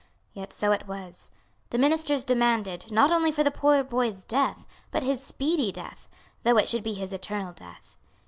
Yet so it was. The ministers demanded, not only the poor boy's death, but his speedy death, though it should be his eternal death.